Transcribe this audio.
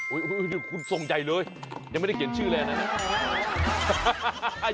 โอ๊ยคุณส่งใจเลยยังไม่ได้เขียนชื่อแล้วนั่น